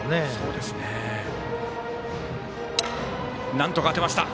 なんとか当てました。